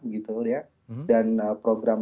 gitu ya dan program